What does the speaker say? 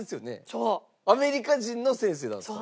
そうアメリカ人の先生。